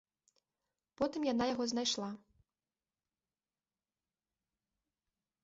Потым яна яго знайшла.